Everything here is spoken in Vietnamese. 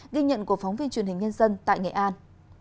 ghi nhận của phóng viên truyền hình nhân dân tại nghệ an